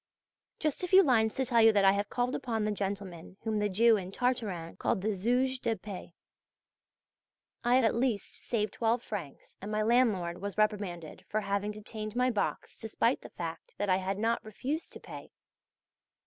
Just a few lines to tell you that I have called upon the gentleman whom the Jew in "Tartarin" called the "Zouge de paix." I have, at least, saved twelve francs, and my landlord was reprimanded for having detained my box despite the fact that I had not refused to pay.